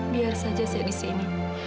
biar saja saya di sini